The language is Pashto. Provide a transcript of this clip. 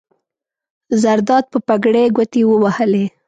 زرداد په پګړۍ ګوتې ووهلې.